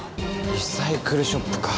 リサイクルショップか。